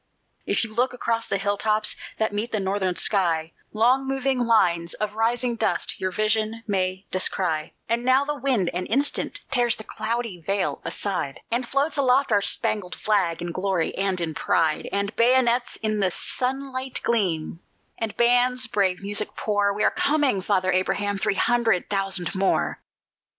If you look across the hill tops that meet the northern sky, Long moving lines of rising dust your vision may descry; And now the wind, an instant, tears the cloudy veil aside, And floats aloft our spangled flag in glory and in pride, And bayonets in the sunlight gleam, and bands brave music pour: We are coming, Father Abraham, three hundred thousand more!